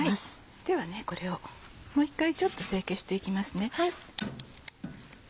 ではこれをもう一回ちょっと整形していきますね。